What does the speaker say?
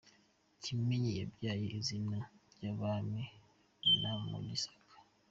Kimenyi ryabaye izina ry’abami bo mu Gisaka.